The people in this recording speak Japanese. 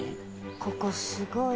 ここすごい。